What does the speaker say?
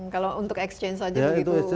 kalau untuk exchange saja begitu rumit ya